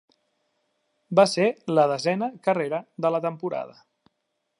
Va ser la desena carrera de la temporada.